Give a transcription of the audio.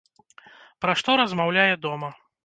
Пра што размаўляе дома.